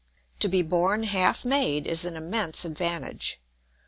To be born half made is an immense advantage.